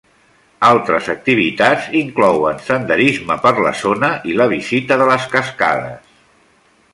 Altres activitats inclouen senderisme per la zona i la visita de les cascades.